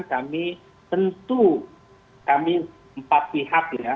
kami tentu kami empat pihak ya